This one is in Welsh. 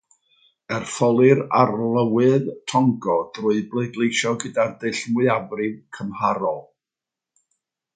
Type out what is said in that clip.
Etholir Arlywydd Togo drwy bleidleisio gyda'r dull mwyafrif cymharol.